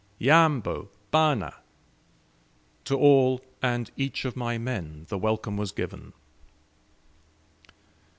Yambo, bana!" To all and each of my men the welcome was given.